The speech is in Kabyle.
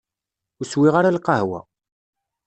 Ur swiɣ ara lqahwa.